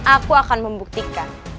aku akan membuktikan